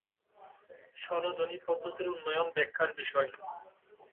স্বরধ্বনি পদ্ধতির উন্নয়ন ব্যাখ্যার বিষয়।